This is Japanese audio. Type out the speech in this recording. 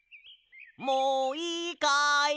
もういいかい？